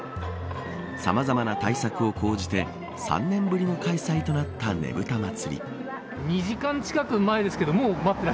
さまざまな対策を講じて３年ぶりの開催となったねぶた祭。